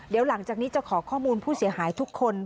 เดี๋ยวหลังจากนี้จะขอข้อมูลผู้เสียหายทุกคน